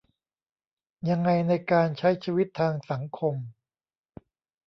ยังไงในการใช้ชีวิตทางสังคม